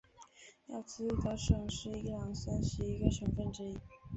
亚兹德省是伊朗三十一个省份之一。